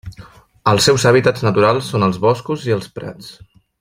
Els seus hàbitats naturals són els boscos i els prats.